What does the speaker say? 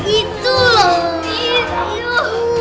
itu adalah itu